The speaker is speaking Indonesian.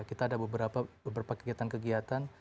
kita ada beberapa kegiatan kegiatan